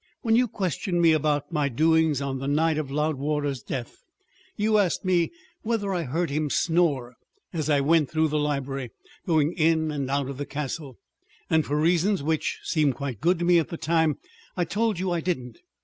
When you questioned me about my doings on the night of Loudwater's death, you asked me whether I heard him snore as I went through the library, going in and out of the Castle, and for reasons which seemed quite good to me at the time I told you I didn't.